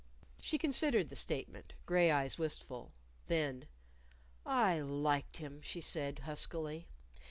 She considered the statement, gray eyes wistful. Then, "I liked him," she said huskily.